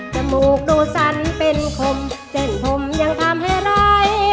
จมูกดูสั้นเป็นขมเต้นผมยังทำให้ร้าย